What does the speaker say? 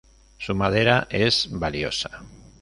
Su madera es valiosa.